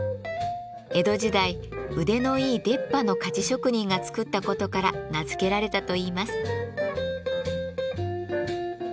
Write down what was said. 江戸時代腕のいい出っ歯の鍛冶職人が作った事から名付けられたといいます。